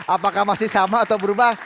apakah masih sama atau berubah